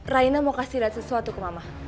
raina mau kasih lihat sesuatu ke mama